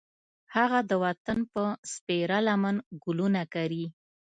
هغه د وطن په سپېره لمن ګلونه کري